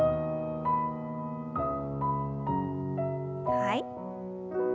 はい。